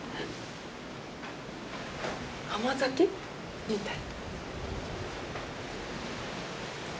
甘酒みたい。